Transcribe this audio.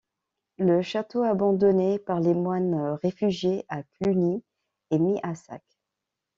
Le château, abandonné par les moines réfugiés à Cluny, est mis à sac.